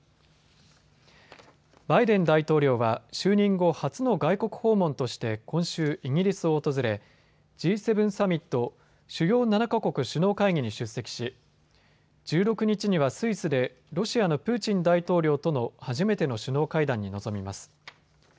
バイデン大統領は就任後初の外国訪問として今週、イギリスを訪れＧ７サミット・主要７か国首脳会議に出席し１６日にはスイスでロシアのプーチン大統領との初めての首脳会談に臨みます。